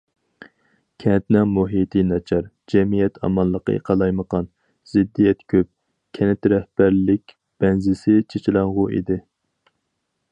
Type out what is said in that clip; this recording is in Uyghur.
كەنتنىڭ مۇھىتى ناچار، جەمئىيەت ئامانلىقى قالايمىقان، زىددىيەت كۆپ، كەنت رەھبەرلىك بەنزىسى چېچىلاڭغۇ ئىدى.